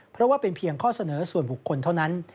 เพราะว่าเป็นเพียงข้อเสนอส่วนบุคคลเท่านั้น